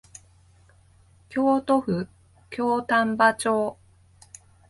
京都府京丹波町